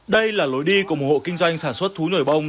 đây là lối đi của một hộ kinh doanh sản xuất thú nổi bông